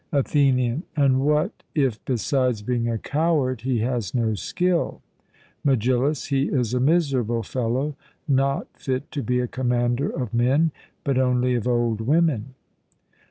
ATHENIAN: And what if besides being a coward he has no skill? MEGILLUS: He is a miserable fellow, not fit to be a commander of men, but only of old women.